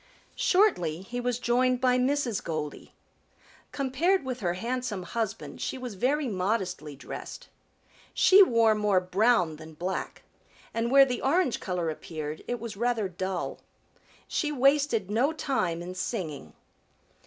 Shortly he was joined by Mrs. Goldy. Compared with her handsome husband she was very modestly dressed. She wore more brown than black, and where the orange color appeared it was rather dull. She wasted no time in singing.